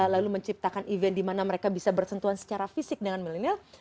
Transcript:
lalu menciptakan event di mana mereka bisa bersentuhan secara fisik dengan milenial